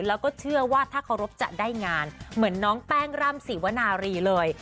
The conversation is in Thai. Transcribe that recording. แล้วก็เชื่อว่าถ้าเคารพจะได้งานเหมือนน้องแป้งร่ำสีวนารีเลย